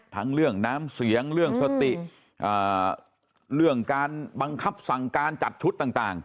ทั้งเรื่องน้ำเสียงเรื่องสติเรื่องการบังคับสั่งการจัดชุดต่าง